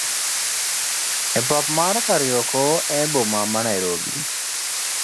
e pap mar kariokor e boma ma Nairobi